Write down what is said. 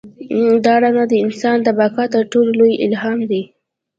دا رڼا د انسان د بقا تر ټولو لوی الهام دی.